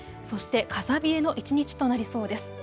そして風冷えの一日となりそうです。